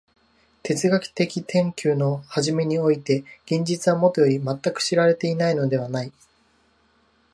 哲学的探求の初めにおいて現実はもとより全く知られていないのではない。